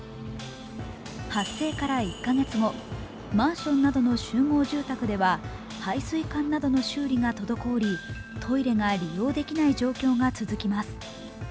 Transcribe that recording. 発生から１カ月後、マンションなどの集合住宅では排水管などの修理が滞り、トイレが利用できない状況が続きます。